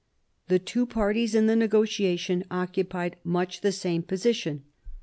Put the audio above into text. The two parties in the negotiation occupied much the same position.